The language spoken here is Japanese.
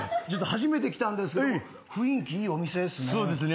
初めて来たんですけど雰囲気いいお店ですね。